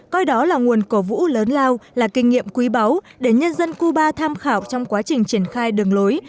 coi đó là nguồn cổ vũ lớn lao là kinh nghiệm quý báu để nhân dân cuba tham khảo trong quá trình triển khai đường lối